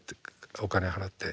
お金払って」。